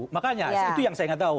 makanya itu yang saya gak tau